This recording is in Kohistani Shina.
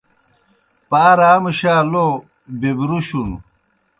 پار آ مُشا لو بِبرُشُوْن۔